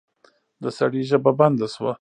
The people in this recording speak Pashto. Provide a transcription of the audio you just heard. د سړي ژبه بنده شوه.